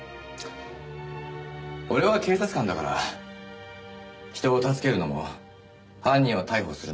俺は警察官だから人を助けるのも犯人を逮捕するのも仕事ですから。